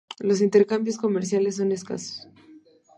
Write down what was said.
Los intercambios comerciales son escasos.